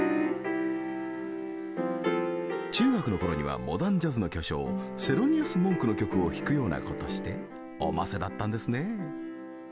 中学の頃にはモダンジャズの巨匠セロニアス・モンクの曲を弾くようなことしておませだったんですね。